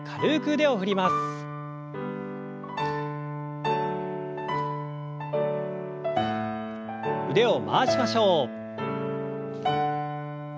腕を回しましょう。